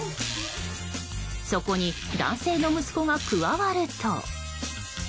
そこに男性の息子が加わると。